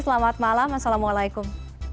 selamat malam assalamualaikum